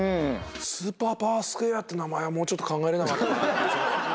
スーパーパワースクエアって名前はもうちょっと考えれなかったかな。